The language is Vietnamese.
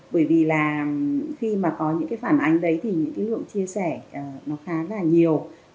bởi vì là khi mà có những phản ánh đấy thì những lượng chia sẻ nó khá là nhiều